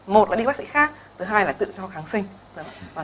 một là đi bác sĩ khác thứ hai là tự cho kháng sinh